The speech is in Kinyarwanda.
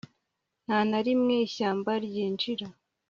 nta na rimwe ishyamba ryinjira